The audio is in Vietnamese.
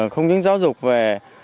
không những giáo dục về